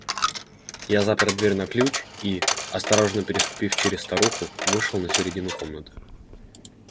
Я запер дверь на ключ и, осторожно переступив через старуху, вышел на середину комнаты.